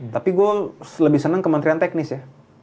tapi gue lebih senang kementerian teknis ya